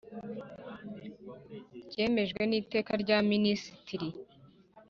ryemejwe n’iteka rya Minisitiri.